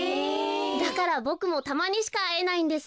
だからボクもたまにしかあえないんです。